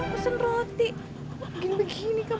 ken pesen roti kok bikin begini kamu tuh